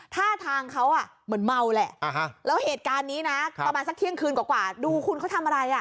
ท่าทางเขาเหมือนเมาแหละแล้วเหตุการณ์นี้นะประมาณสักเที่ยงคืนกว่าดูคุณเขาทำอะไรอ่ะ